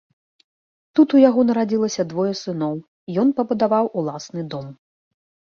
Тут у яго нарадзілася двое сыноў, ён пабудаваў уласны дом.